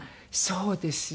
そうですね。